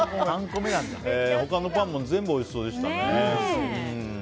他のパンも全部おいしそうでしたね。